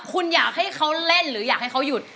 คุณอยากให้เขาเล่นหรืออยากให้เขาหยุด